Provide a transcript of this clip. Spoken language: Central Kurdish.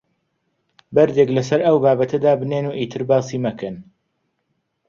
بەردێک لەسەر ئەو بابەتە دابنێن و ئیتر باسی مەکەن.